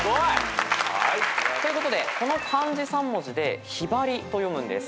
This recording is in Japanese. ということでこの漢字３文字で「ひばり」と読むんです。